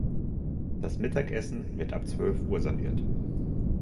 Das Mittagessen wird ab zwölf Uhr serviert.